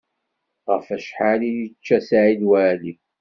Ɣef wacḥal i yečča Saɛid Waɛli?